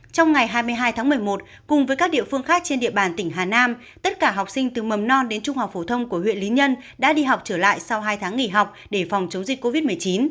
trong ngày hai mươi hai tháng một mươi một cùng với các địa phương khác trên địa bàn tỉnh hà nam tất cả học sinh từ mầm non đến trung học phổ thông của huyện lý nhân đã đi học trở lại sau hai tháng nghỉ học để phòng chống dịch covid một mươi chín